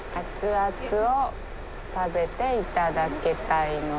熱々を食べていただきたいので。